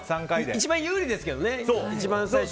一番有利ですけどね、一番最初。